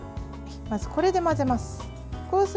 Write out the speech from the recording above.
これで混ぜます。